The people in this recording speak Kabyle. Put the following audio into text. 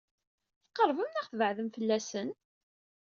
Tqeṛbem neɣ tbeɛdem fell-asen?